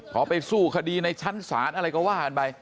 พอไปสู้คดีในชั้นศาลอะไรก็ว่ากันไป